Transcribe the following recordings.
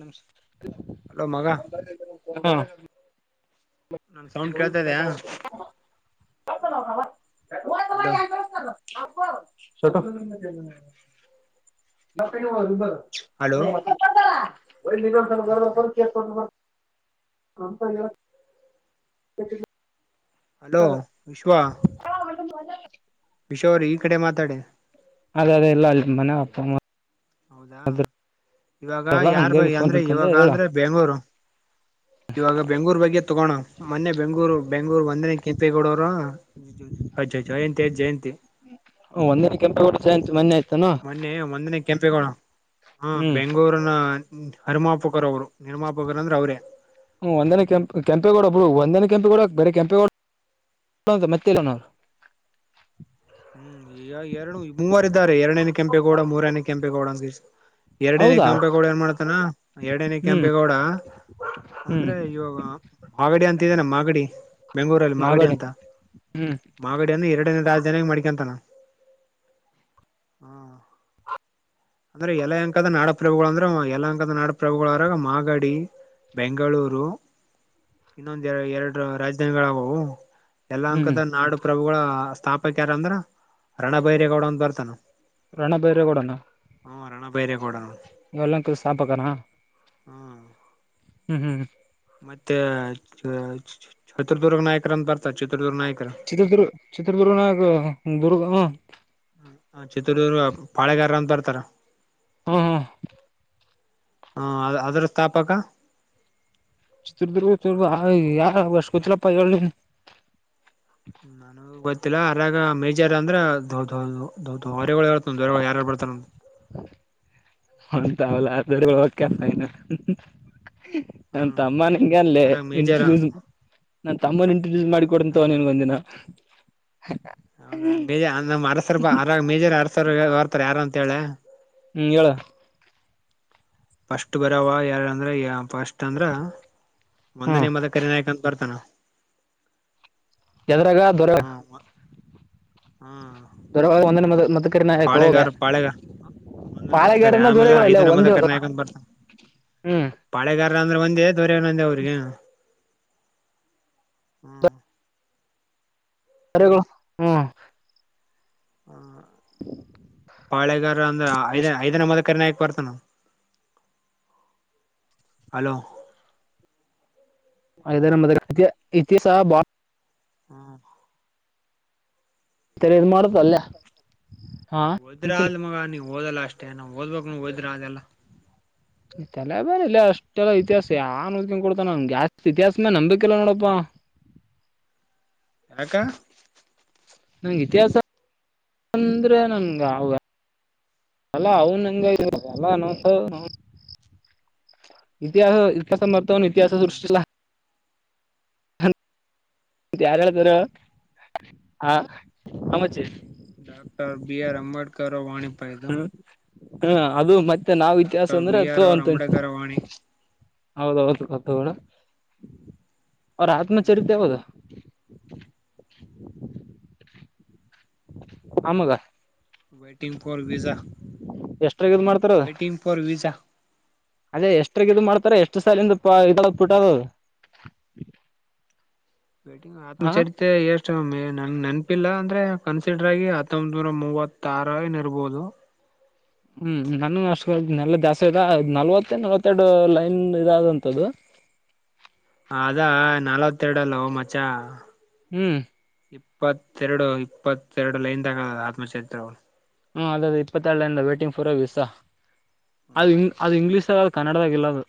ನಮಸ್ಕಾರ ಹಲೋ ಮಾಗ ಸೌಂಡ್ ಕೇಳ್ತಾ ಹ ಇದ್ಯಾ ಹ ಅದ ಹ ಸ್ವತತ್ತ ಬ ಹಲೋ ನಿಗ ಚೇ ಕೊ ಹ ಹಾನ ಹ ಹಲೋ ವಿಶ್ವಾ ಮದ ವಿಶೋ ಅವ್ರೀ ಈ ಕಡೆ ಮಾತಾಡ ಅದ ಎಲ್ಲ ಅಿತ ಮಾನ ಆ ಹೌದಾ ಇವಾಗ ಇರಲ್ಲ ಯಾರ್ ಹಂಗಾಗಿ ಬಗ್ ಫೋನ್ ಅಂದ್ರೆ ಹಿಡ್ಕೊಂಡೆ ಇವಾಗ ಹೇಳು ಅಂದ್ರೆ ಬೆಂಗ್ಳೂರು ಇವಾಗ ಬೆಂಗ್ೂರ್ ಬಗ್ಗೆ ತಗೋಣ ಮೊನ್ನೆ ಬೆಂಗ್ೂರು ಬೆಂಗ್ಗಳೂರು ಒಂದನೇ ಕೆಂಪೇಗೌಡ ಅವರು ಅ್ಾ ಜಯಂತಿ ಆ್ ಜಯಂತಿ ಒಂದಿನ ಕೆಂಪೇಗೌಡ ಜಯಂತಿ ಮೊನ್ನೆ ಆಯ್ತಾನು ಮೊನ್ನೆ ಒಂದನೇ ಕೆಂಪೇಗೌಡ ಹ ಹ್ಮ್ ಬೆಂಗಗಳೂರನ ಹರಿಮಾಪುಕರ್ ಅವರು ನಿರ್ಮಾಪಕರು ಅಂದ್ರೆ ಅವ್ರೇ ಒಂದನ ಕೆಂಪ ಕೆಂಪೇಗೌಡ ಒಬ್ಳ ಒಂದನ ಕೆಂಪೇಗೌಡ ಬೇರೆ ಕೆಂಪೇಗೌಡ ಮತ್ತೆಲ್ಲ ಹ್ಮ್ ಎರಡು ಮೂವರಾರೆ ಎರಡೇನ ಕೆಂಪೇಗೌಡ ಮೂರನೇ ಕೆಂಪೇಗೌಡ ಅಂಗ ಎರಡನೇ ಹೌದಾ ಕೆಂಪೇಗೌಡ ಏನ್ ಮಾಡ್ತಾನ ಎರಡನೇ ಹ್ಮ್ ಕೆಂಪೇಗೌಡ ಹ್ಮ್ ಅಂದ್ರೆ ಇವಾಗ ಮಾಗಡಿ ಅಂತಿದೇನೆ ಮಾಗಡಿ ಬೆಂಗಳೂರಲ್ಲಿ ಮಾಗಡಿ ಅಂತ ಹ್ಮ್ ಮಾಗಡ ಅನ್ನು ಎರಡ ಜನ ಮಾಡ ಎಂತನ ಹ್ಮ ಅಂದ್ರೆ ಯಲೆ ಅಂಕದ ನಾಡಪ್ರಭುಗಳು ಅಂದ್ರೆ ಯಲ ಅಂಕದ ನಾಡಪ್ರಭುಗಳರಾಗ ಮಾಗಡಿ ಬೆಂಗಳೂರು ಇನ್ನೊಂದ ಎ ಎರಡು ರಾಜಧಾನಿಗಳಾವವು ಎಲ್ಲಾ ಹ್ಮ್ ಅಂಕದ ನಾಡು ಪ್ರ್ರಭುಗಳ ಸ್ಥಾಪಕ ಯಾರ ಅಂದ್ರ ರಣಭೈರೇಗೌಡ ಅಂದ ಬರ್ತಾನ ರಣ ಬೇರೆ ಕೊಡೋಣ ಹಂ ಅಣ ಬೈರ ಕಡ ಎಲ್ಲ ಕ ಸಾಪಾಕಾರಾ ಹ್ಮ್ ಹ್ಮ್ ಹ್ಮ್ ಮತ್ತೆ ಚಿತ್ರದುರ್ಗ ನಾಯಕರಂತ ಬರ್ತಾ ಚಿತ್ರದುರ್ಗ ನಾಯಕ ಚಿತ್ರದುರ್ಗ ಚಿತ್ರದುರ್ಗ ನಕ ದುರ್ಗ ಹ ಚಿತ್ರರ್ ಪಾಳೆಗಾರ ಅಂತಂತರ್ತಾರ ಹ್ಮ ಹಾ ಹಾ ಅ ಅದ್ರ ಸ್ಥಾಪಕ ಚಿತ್ರದುರ್ಗ ಚ ಯ ವರ್ಷಕೋತಿಲಪ್ಪ ಎ ನನ ಗೊತ್ತಿಲ್ಲ ಅರಾಗ ಮೇಜರ್ ಅಂದ್ರೆ ದ ದೌ ಹೊ್ಯಗಳು ಹೇಳ್ತ ದರ ಯಾರಾರು ಬರ್ತಾರ ಂತಾವಲ್ಲ ಅದರ ಓಕ ೈನ್ ನ ಹ್ಮ್ ತಮ್ಮ ನಿಂಗಗೆ ಅಲ್ಲೆ ಅರಾಗ ಮೇಜರ್ ಇಂಟ್ರ್ಯೂಸ್ ನನ್ ತಮ್ಮ ಇಂಟ್ರೊಡ್ಯೂಸ್ ಮಾಡಿಿಕೊಡ ಅಂತ ಹ್ಮ್ ತವನ್ಗ ಒಂದಿನ ಹೌದಾ ಮೇಜ ನಮ್ ಅರಸರ್ ಅರ ಮೇಜರ್ ಅರಸರ್ ಬರ್ತಾರ ಯಾರು ಅಂತ ಹೇಳ ಹ್ಮ್ ಹೇಳ ಫಸ್ಟ್ ಬರವ ಯಾರ ಅಂದ್ರ ಫಸ್ಟ್ ಅಂದ್ರ ಹ್ಮ್ ಒಂದನೇ ಮದಕ ಬರ್ತಾನ ಎದ್ರಾಗ ದೊರ ಹ್ಮ್ ಹ್ಮ್ ದರ ಒಂದ ಮತ್ತ ಕರೆ ನಕ ಹೋಗ ಪಾಳೆಗಾರ ಪಾಳೆಗಾರ ಒಂದನ ಮದಕಾರಿ ಆಮೇಲೆ ಐದನ ಮದಕಾರಿ ಯಾಕಂದ ಬರ್ತ ಹ್ಮ ಅಂದ್ರೆ ಒಂದೇ ದೊರ್ಯಂದೇ ಅವ್ರಿಗೆ ಹ್ಮ ಸರೆ ಹ್ಮ ಹ ಪಾಳೆಗಾರ ಅಂದ್ರೆ ಐದ ಎಷ್ಟು ಐದನೇ ಮದಕರೆ ನಾಯ್ತು ತನ ಹಲೋ ಐದೇ ಹಲೋ ನಂಬದ ಇತಿ ಇತಿಾಸಹ ಬಾಳ ಹ್ಮ್ ತೆರ ಇದು್ ಮಾಡತ ಅಲ್ಲ ಹೋದ್ರ ಆದ ಮಗ ನೀ ಓದಲ್ಲ ಅಷ್ಟೇ ನಾವ ಓದ್ಬೇಕ ೋದ್ರ ಅದೆಲ್ಲಾ ತಲೆ ಬರ ಇಲ್ಲ ಅಷ್ಟೆಲ್ಲಾ ಇತಿಹಾಸ ಯಾನ್ಡ ಕೊಡ್ತ ನನ್ಗೆ ಜಾಸ್ತಿ ಇತಿಹಾಸ ಮೇಲೆ ನಂಬಿಕಿಲ್ಲ ನೋಡಪ್ಪಾ ಹ ಯನಕ್ಕ ನಂಗೆ ಇತಿಹಾಸ ಅಂದ್ರೆ ನನ್ಗೆ ಅವ ಅಲ್ಲಾ ಅವನ್ಂಗ ಅಲ್ಲಸ ಇತಿಹಾಸ ಇತಿಹಾಸರ್ಥವನ್ನು ಇತಿಹಾಸ ಹ್ಮ್ ಸೃಷ್ಟಿಸಿಲ್ಲ ಮ ಯಾರ ಹಳ್ತಾರ ಹಾ ಹಮಚ್ಚಿ ಾಕ್ಟರ್ ಬಿ ಆರ್ ಆಂಬೇಡ್ಕರ ವಾಣಿಪಾಯದು ಹಾ ಅದು ಮತ್ತೆ ನಾವ್ ಇತಿಹಾಸ ಡಾಕ್ಟರ್ ಅಂದ್ರೆ ಬಿ ತೋ ಆರ್ ಅವರ್ ಅಂತ ಅಂಬೇಕರ್ ವಾಣಿ ಹೌದೌದು ಅ ಹೋಣ ಅವ್ರ ಹ್ಮ್ ಆತ್ಮಚರಿತ್ ಯಾವದಾ ಆಮಗ ವಟಂಗ್ ಫರ್ ವಿಜಾ ಎಷ್ಟ್ರಾಗ ಇದ್ ಮಾಡ್ತಾರ ವಟಂಗ್ ಫರ್ ವಿಾ ಅದೇ ಎಷ್ಟಗಿದ ಮಾಡ್ತಾರ ಎಷ್ಟು ಸಾಲಿಂದ ಇದಳ ಬಿಿಟ್ಟದು ಟ ಆತ್ಮಚರಿತ್ ಎಷ್ಟು ನಂ ನೆನಪಿಲ್ಲ ಅಂದ್ರೆ ಕನ್ಸಿಡರ್ ಆಗಿ ಹತ್ತೊಂಬನೂರ ಮೂವತ್ತ ಆರ ಏನ ಇರ್ಬೋದು ಹ್ಮ್ ನಾನು ಅಷ್ಟಲ್ಲ ದ ಜಾಸ್ತಿ ಇದ ನಲ್ವತ್ತ ನಲ್ವತ್ತೆರಡು ಲೈನ್ ಇದಾದಂತ್ದು ಹ ಅದಾ ನಲ್ವತ್ತೆರಡ ಅಲ್ಲ ಮಚಾ ಹ್ಮ್ ಇಪ್ಪತ್ತೆರಡು ಇಪ್ಪತ್ತೆರಡು ಲೈನ್ ತಗ ಆತ್ಮಚರಿತ್ರ ಹ್ಮ ಅದದು ಇಪ್ಪತ್ತೆರ ವೇಟಿಂಗ್ ಫೋರ್ ವೀಸ ಅದು ಅದು ಇಂಗ್ಲೀಷ್ ಅ ಕನ್ನಡದಾಗಲ್ಲದು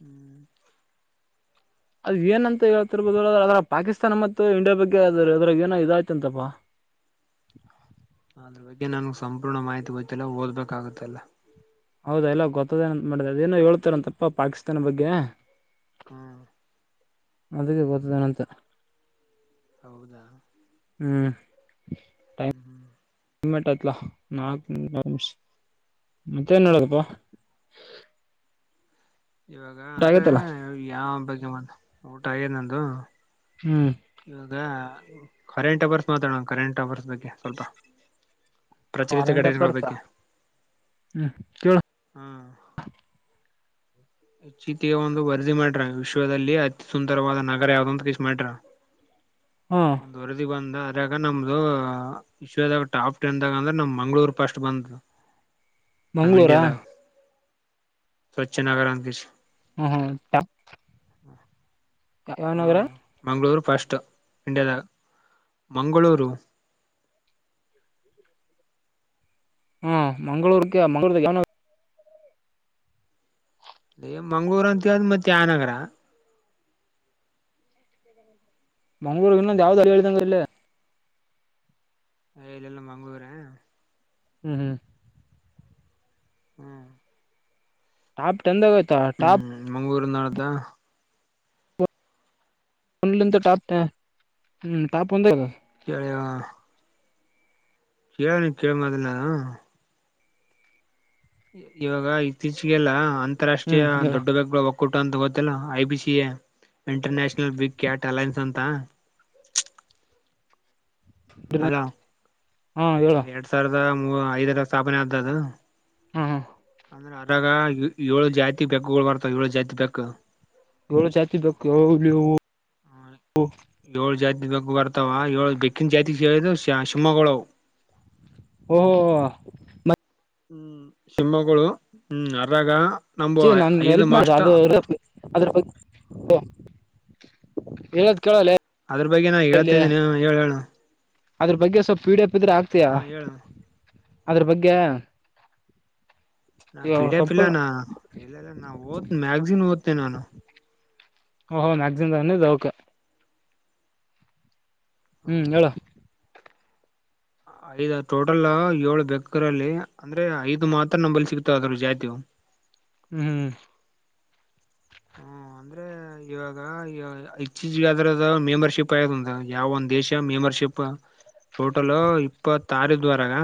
ಹ್ಮ್ ಅದ್ ಏನಂತ ಹೇಳ್ತಿರ್ಬೋದುರೆ ಅದ್ರ ಪಾಕಿಸ್ತಾನ ಮತ್ತು ಇಂಡಿಯಾ ಬಗ್ಗೆ ಅದ್ರ ಅದ್ರ ಏನೋ ಇದಾಯ್ತಂತಪ್ಪಾ ಅದ್ರ ಬಗ್ಗೆ ನನ್ಗೆ ಸಂಪೂರ್ಣ ಮಾಹಿತಿ ಗೊತ್ತಿಲ್ಲ ಓದ್ಬೇಕಾಗತ್ತೆಲ್ಲ ಹೌದಾ ಎಲ್ಲ ಗೊತ್ತದೇಂತ ಮಾಡಿದೆ ಅದಏನೋ ಹೇಳ್ತಾರಂತಪ್ಪ ಪಾಕಿಸ್ತಾನ ಬಗ್ಗೆ ಹ್ಮ್ ಅದಕ್ಕೆ ಗೊತ್ತದನಂತ ಹೌದಾ ಹ್ಮ್ ಹ್ಮ್ ಹ್ಮ್ ಮಟಲ ನಕ್ಮ್ಸ್ ಮತ್ತೇನ್ ನೋಡಕಪ್ಪ ಇವಾಗ ಅಂದ್ರೆ ಯಾವ ಬಗ್ಗೆ ಊಟ ಆಗೇ ನಂದು ಹ್ಮ್ ಇವಾಗ ಕರೆಂಟ್ ಅವರ್ಸ್ ಮಾತಾಡೋಣ ಕರೆಂಟ್ ಅವರ್ಸ್ ಬಗ್ಗೆ ಸ್ವಲ್ಪ ಪ್ರಚಲಿತ ವಾರಂಟ್ ಘಡೆಗಳ ಅಫೇರ್ಸ್ ಬಗ್ಗೆ ಹ್ಮ್ ಕೇಳು ಹ್ಮ ಈ ಚೀಟಿಗೆ ಒಂದು ವರರ್ದಿ ಮಾಡ್ರ ವಿಶ್ವದಲ್ಲಿ ಅತಿ ಸುಂದರವಾದ ನಗರ ಯಾವ್ದಂತ ಕಸ ಮಾಡ್ರ ಹಾ ಒಂದು ವರದಿಗೆ ಬಂದ ಅ್ರಾಗ ನಮ್ದು ವಿಶ್ವದಾಗ ಟಾಪ್ ಟೆನ್ ದಾಗ ಅಂದ್ರೆ ನಮ್ ಮಂಗಳೂರ್ ಫಸ್ಟ್ ಬಂತು ಮಂಗಳೂರಾ ಸ್ವಚ್ಛನಾಗರ ಅಂತಿಸಿ ಹ್ಮ್ ಹ್ಮ್ ಪ ಹ ಮಂಗಳೂರು ಫಸ್ಟ್ ಇಂಡಿಯಾದಾಗ ಮಂಗಳೂರು ಹ್ಮ ಮಂಳೂರ್ಕ್ಕೆ ಮಂಗಳೂರ್ವನ ಅ ಮಂಗ್ರು ಅಂತ ಹೇಳಿದ್ ಮತ್ತೆ ಯ ನಗರ ಮಂ್ಗಳೂರು ಇನ್ನ ಯಾವ್ದು ಅಾರಿ ಎಳದಂಗ ಇಲ್ಲ ಇಲ್ಲಲ್ಲ ಮಂಗ್ಗಳೂರೆ ಹ್ಮ್ ಹ್ಮ್ ಹ್ಮ್ ಟಾಪ್ ಟೆನ್ದಾಗೈತ ಟಾಪ್ ಅದ ಒಂದ್ಲಿಂದ ಟಾಪ್ ಟೆ ಹ್ಮ ಟಾಪ್ ಒಂದೆ ಈಗ ಅಯ್ಯಾ ಹೇಳಿ ನೀ ತೇಮಾದಲ್ಲಾ ಇವಾಗ ಇತ್ತೀಚಿಗೆಲ್ಲಾ ಅಂತಾರಾಷ್ಟ್ರೀಯ ಹ್ಮ್ ಹೇಳು ದೊಡ್ಡ ಬಕ್ಗಳು ಹೋಗ್ತ ಕೊಟ್ಟಂತ ಗೊತ್ತಿಲ್ಲ IPC A international big cat alliance ಅಂತ ಹಲೋ ಹಾ ಹೇಳು ಎರಡ್ ಸಾವಿರದ ಮೂ ಐದರ ಸ್ಥಾಪನೆ ಆತ ಅದು ಹ್ಮ್ ಅಂದ್ರೆ ಅದಾಗ ಏಳು ಜಾತಿ ಬೆಕ್ಗಳು ಬರ್ತಾವ ಏಳು ಜಾತಿ ಬೆಕ್ ಏಳ್ ಚಾತಿ ಬೆಕ್ಕು ಹೋಬ್ಳಿಹೋ ಓ ಏಳ್ ಜಾತಿ ಬಗ್ ಬರ್ತಾವ ಏಳು ಬೆಕ್ಕಿನ ಜಾತಿ ಹೇಳಿದ ಶಿಮೊಗೊಳವು ಓಹೋ ಮ ಹ್ಮ್ ಶಿಮೊಗ್ಳು ಹ್ಮ್ ಅರಗ ಛೆ ನನ್ಗೆ ಎಲ್ಪ್ ಮಾಡಿದೆ ಅದು ಇ ಅದ್ರ ಬಗ್ ಓ ಹೇಳದ ಕೇಳಲ್ಲೇ ಅದ್ರ ಬಗ್ಗೆ ನಾು ಹೇಳ್ತಿದ್ದೀನಿ ಹ್ಮ್ ಹೇಳ್ ಹೇಳು ಅದ್ರ ಬಗ್ಗೆ ಸ್ವಲ್ ಪಿ ಡಿ ಎಪ್ ಇದ್ರೆ ಆಗ್ತಯಾ ಹೇಳ ಅದ್ರ ಬಗ್ಗೆ ನಾ ಪಿಡೆ ಪಿಲ್ಲ ಸಂಪೂರ್ಣ ನ ಇಲ್ಲಲ್ಲ ನಾ ಓದ್ ಮ್ಯಾಗಸನ್ ಓದ್ತೇನೆ ನಾನು ಓ ಹೋ ಮ್ಯಾಗಸಿನ್ದೆನಿದು ಓಕೆ ಹ್ಮ್ ಹೇಳ ಐದ್ ಟೋಟಲ್ ಏಳು ಬೇಕ್ರಲ್ಲಿ ಅಂದ್ರೆ ಐದು ಮಾತ್ರ ನಂಬಲ್ಲಿ ಸಿಗ್ತಾವ ಅದ್ರ ಜಾತಿವು ಹ ಹ್ಮ್ ಹ್ಮ್ ಹ್ಮ ಅಂದ್ರೆ ಇವಾಗ ಇಚ್ತೀಚಿದ್ರದ ಮೆಂಬರ್ಶಿಪ್ ಆಯದ ಯಾವಂದ ದೇಶ ಮೆಂಬರ್ಶಿಪ್ ಟೋಟಲ್ ಇಪ್ಪತ್ತಾರ ದ್ವರಾಗ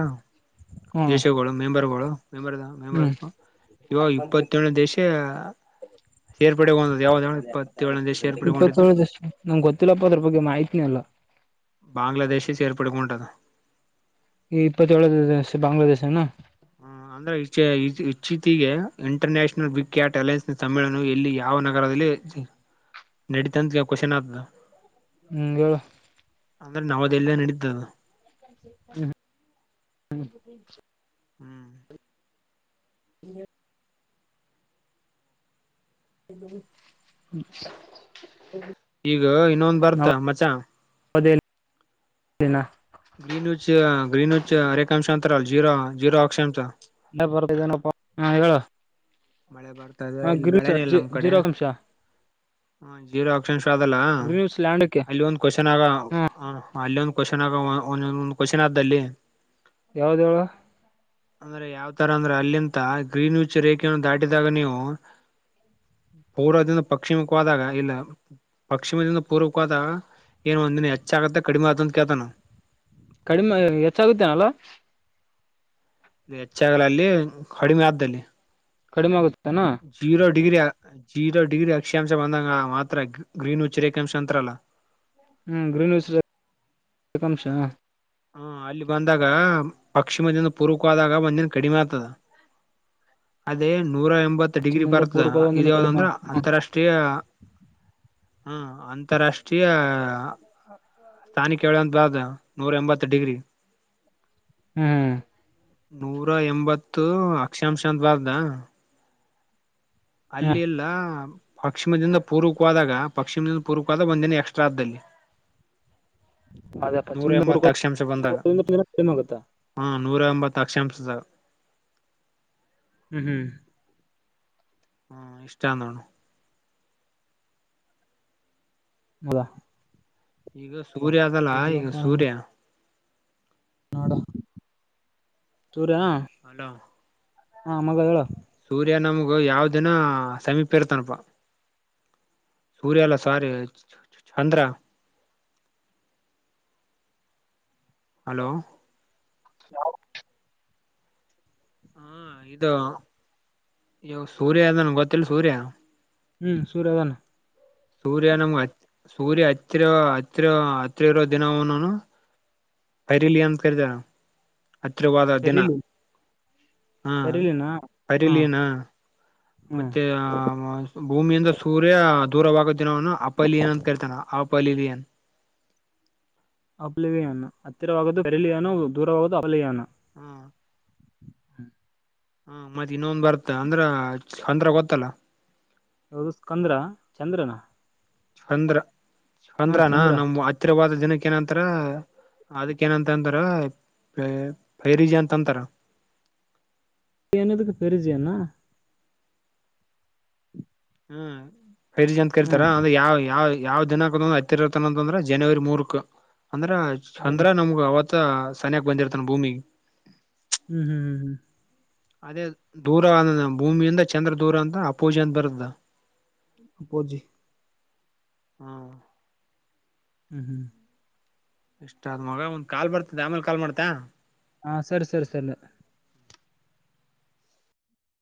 ಹ್ಮ್ ದೇಶಗಳು ಮೆಂಬರ್ ಗೋಳು ಮೆಂಬರ್ದ ಮೆಂಬರ್ ಹ್ಮ್ ಇವಾಗ ಇಪ್ಪತ್ತೇಳನ ದೇಶ ಸೇರ್ಪಡೆಗೊಂಡದು ಯಾವ್ದ ಇಪ್ಪತ್ತೇಳನೇ ಸೇರ್ಪಡೆಗೊಂಡಿದ್ದು ಇಪ್ಪತ್ತಳ್ ದೇಶ ನಮ್ಗೆ ಗೊತ್ತಿಲ್ಲಪ್ಪದ್ರ ಬಗ್ಗೆ ಮಾಹತಿನ ಅಲ್ಲ ಹ ಬಾಂಗ್ಲಾದೇಶ ಸೇರ್ಪಡಂಟದ ಈ ಇಪ್ಪತ್ತದೋಳ ಬಾಂಗ್ಲಾದೇಶನಾ ಹ್ಮ್ ಅಂದ್ರೆ ಇಚೀಚೆಗೆ ಇಂಟರ್ನ್ಯಾಷನಲ್ ಬಿಗ್ ಕ್ಯಾಟ್ ಅಲೈನ್ಸ್ ಸಮ್ಮೇಳನ ಇಲ್ಲಿ ಯಾವ ನಗರದಲ್ಲಿ ನೆಡಡಿ ತಾನ ಕಶನಾತ ಹ್ಮ ಹೇಳ ಅಂದ್ರೆ ನವದೆಲ್ಲ ನಡೀಿದ್ದದು ಹ್ಮ್ ಹ್ಮ್ ಹ್ಮ್ ಹ ಹ ಈಗ ಇನ್ನೊಂದ ಬರ್ತಾ ಮಚಾ ಹದನಾ ಗ್ರೀನ್ಚ್ ಗ್ರೀನ್ಚ್ ಅರೆೇಕ ಅಂಶ ಅಂತರ ಜೀರೋ ಜೀರೋ ಅಕ್ಷಾಂಶ ಬರ್ನಪ್ಪ ಹಾ ಹೇಳುವ ಮಳೆ ಬರ್ತದೆ ಇಲ್ಲಿ ಮಳೆನ ಇಲ್ಲ ನಮ್ ಕಡೆ ಜೀರೋ ಅಂಶ ಹ ಜೀರೋ ಆಕ್ಷನ್ ಶು ಆದ ಅಲ್ಲ ಗ್ರೀನ್ಸ್ ಲ್ಯಾಂಡ್ಕ್ಕೆ ಅಲ್ಲಿ ಒಂದ್ ಕ್ವಶನ್ ಆಗ ಹ್ಮ ಅಲ್ಲಿಂದ ಕ್ವನ್ ಆಗ ಒಂದ ಒಂದು ಕ್ವಶನ್ ಆದ್ದಲ್ಲಿ ಯಾವ್ದ ಅಂದ್ರೆ ಯಾವ್ ತರ ಅಂದ್ರೆ ಅಲ್ಲಿಂತ ಗ್ರೀನ್ ಯೂಚ ರೇಖೆಯನ್ನು ದಾಟಿದಾಗ ನೀವು ಪೂರ್ವದಿಂದ ಪಶ್ಚಿಮಕ್ಕೆ ಹೋದಾಗ ಇಲ್ಲ ಪಶ್ಚಿಮದಿಂದ ಪೂರ್ವಕ್ಕೆ ಹೋದಾಗ ಏನ್ ಒಂದಿನ ಹೆಚ್ಚ ಆಗತ್ತ ಕಡಿಮೆ ಆತಂತ ಕೇಳ್ತಾನ ಕಡಿಮೆ ಹೆಚ್ಚಾಗುತ್ತೇನಲ್ಲ ಹೆಚ್ಚಾಗಲ್ಲ ಅಲ್ಲಿ ಕಡಿಮೆ ಆದ್ದದಲ್ಲಿ ಕಡಿಮೆ ಆಗುತ್ತೇನಾ ಜೀರೋ ಡಿಗ್ರಿ ಜೀರೋ ಡಿಗ್ರಿ ಅಕ್ಷಾಂಶ ಬಂದಂಗ ಮಾತ್ರ ಗ್ರೀನ್ ಉಚ್ಚ ರಕ್ಷಾಂಶ ಅಂತಲ್ಲ ಹ್ಮ ಗ್ರೀನ್ ಹಸ್ಾಂಶ ಹ್ಮ ಅಲ್ಲಿ ಬಂದಾಗ ಪಶ್ಚಿಮದಿಂದ ಪೂರ್ಕ ಆದಾಗ ಒಂದಿನ ಕಡಿಮೆ ಆಗ್ತದ ಅದೇ ನೂರ ಎಂಬತ್ ಡಿಗ್ರಿ ಪಶ್ಚಿಮದಿಂದ ಬರ್ತ ಇದ ಪೂರ್ವದಿಂದ ಕಡಿಮೆ ಯಾವ್ದಂದ್ರ ಹ್ಮ್ ಅಂತಾರಾಷ್ಟ್ರೀಯ ಹ್ಮ ಅಂತಾರಾಷ್ಟ್ರೀಯ ಸ್ಥಾನಿಿಕ ಹೇಳಂತ ಬ ನೂರ ಎಂಬತ್ತು ಡಿಗ್ರಿ ಹ್ಮ್ ನೂರ ಎಂಬತ್ತು ಅಕ್ಷಾಂಶದ ಬಾರ್ದ ಅಲ್ಲಿ ಹ್ಮ್ ಎಲ್ಲ ಪಶಚಿಮದಿಂದ ಪೂರ್ವಕವಾದಾಗ ಪಶ್ಿಮದಿಂದ ಪೂರ್ವಕವಾದಾಗ ಒಂದಿನ ಎಕ್ಸ್ಟ್ರಾ ಅ್ದದಲ್ಲಿ ಅದೇ ನೂರ ಪಶ್ಚಿಮದಿಂದ ಎಂಬತ್ತ ಅಕ್ಷಾಂಶ ಬಂದಾಗ ಪೂರ್ವದಿಂದ ಕಡಿಮೆ ಆಗುತ್ತಾ ಹ್ಮ ನೂರಂಬತ್ತು ಅಕ್ಷಾಂಶಾಗ ಹ್ಮ್ ಹ್ಮ್ ಹ್ಮ ಇಷ್ಟಾಂದಣ ಅವಾ ಈಗ ಸೂರ್ಯ ಅದಲ್ಲ ಈಗ ಸೂರ್ಯ ನೋಡ ತೂರ ಅಲೋ ಹಾ ಮಗ ಹೇಳ ಸೂರ್ಯ ನಮಗು ಯಾವ ದಿನ ಸಮೀಪ ಇರ್ತನಪ ಸೂರ್ಯ ಎಲ್ಲ ಸಾರಿ ಚಂದ್ರ ಹಲೋ ಹಲ ಹಾ ಇದು ಇ ಸೂರ್ಯ ಅದನ್ ಗೊತ್ತಿಲ್ಲ ಸೂರ್ಯ ಹ್ಮ್ ಸೂರದಾನ ಸೂರ್ಯ ನಮಗೆ ಸೂರ್ಯ ಹತ್ತಿರ ಹತ್ತಿರ ಹತ್ತಿ ಇರೋ ದಿನವ ನನು ಹೈರಿಲಿಿಯ ಕದ ಹತ್ತಿವಾದ ದಿನ ಕರಿಲಿ ಹಾ ಕರಿಲಿನ ಹಾ ಪರಿಲನ ಹ್ಮ್ ಮತ್ತೆ ಆ ಭೂಮಿಯಿಂದ ಸೂರ್ಯ ದೂರವಾಗೋ ದಿನವನು ಅಪಲಿಯನ್ ಅಂತ ಕೇಳ್ತಾನ ಅಪಲಿಿಯನ್ ಆಬ್ಲವಯಾನ ಹತ್ತಿರವಾಗ ಬೆರಲಿಯಾನ ದೂರವಾಗದು ಹಬ್ಲಯಾನ ಹ್ಮ್ ಹ್ಮ ಹಾ ಮತ್ತೆ ಇನ್ನೊಂದ್ ಬರ್ತ್ತ ಅಂದ್ರ ಒಂತ್ರ ಗೊತ್ತಲ್ಲ ಯಾದು ಸ್ಕಂದ್ರ ಚಂದ್ರನ ಚಂದ್ರ ಹಾ ಚಂದ್ರನಾ ಚಂದ್ರ ನಮ್ಮ್ ಹತ್ತಿರವಾದ ಜನಕ್ಕೆ ಅ ಏನಂತಾರ ಅದಕ್ಕ ಏನಂತ ಅಂದ್ರ ೈರಿಜ ಅಂತಂತಾರ ಹ ನದಕ್ಕೆ ಪ್ರರುಜುಏ್ಣ ಹ್ಮ್ ರಿಜ ಅಂತ ಹಾ ಕೇಳ್ತಾರ ಅಂದ್ರೆ ಯಾವ ಯಾವ ಯಾವ ದಿನಕಂತಂದ್ರೆ ಹತ್ತಿರತನ ಅಂತಂದ್ರೆ ಜನವರಿ ಮೂರಕ್ ಅಂದ್ರ ಚಂದ್ರ ಹ್ಮ್ ನಮಗ ಅವತ್ ಸನ್ಯಾಗ ಬಂದಿರ್ತಾನ ಭೂಮಿ ಹ್ಮ್ ಹ್ಮ್ ಹ್ಮ್ ಹ್ಮ್ ಅದೇ ದೂರ ಭೂಮಿಯಿಂದ ಚಂದ್ರ ದೂರ ಅಂತ ಅಪೋಜೆನ್ ಬರುದ ಪ್ಪೋಜಿ ಹ್ಮ ಹ್ಮ್ ಹ್ಮ್ ಇಷ್ಟ ಆದ್ ಮಗ ಒಂದ್ ಕಾಲ್ ಬರ್ತದ ಆಮೇಲೆ ಕಾಲ್ ಮಾಡ್ತಾ ಹಾ ಸರಿ ಸರಿ ಸರಿ